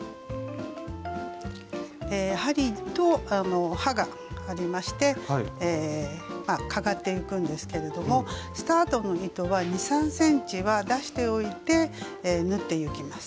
針と刃がありましてかがっていくんですけれどもスタートの糸は２３ｃｍは出しておいて縫っていきます。